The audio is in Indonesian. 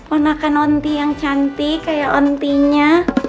onakan onti yang cantik kayak ontinya